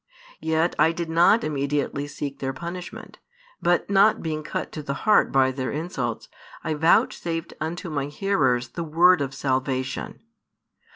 Yet I did not immediately seek their punishment, but not being cut to the heart by their insults, I vouchsafed unto My hearers the word of salvation.